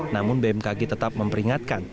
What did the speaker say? namun bmkg tetap memperingatkan